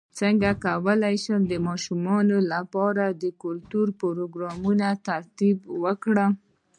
څنګه کولی شم د ماشومانو لپاره د کلتوري پروګرامونو ترتیب ورکړم